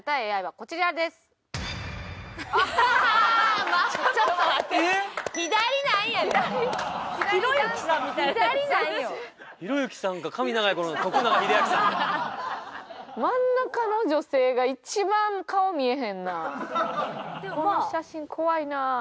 この写真怖いなあ。